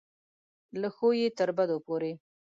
له ښو یې تر بدو پورې.